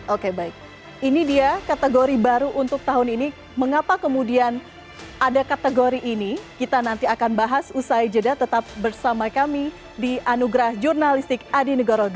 oke baik ini dia kategori baru untuk tahun ini mengapa kemudian ada kategori ini kita nanti akan bahas usai jeda tetap bersama kami di anugerah jurnalistik adi negoro dua ribu